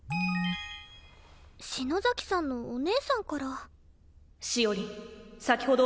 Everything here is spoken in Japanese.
篠崎さんのお姉さんから。